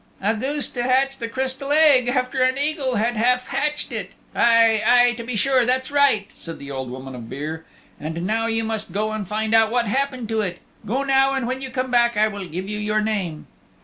"A goose to hatch the Crystal Egg after an Eagle had half hatched it! Aye, aye, to be sure, that's right," said the Old Woman of Beare. "And now you must go and find out what happened to it. Go now, and when you come back I will give you your name."